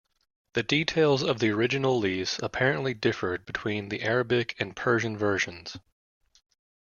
The details of the original lease apparently differed between the Arabic and Persian versions.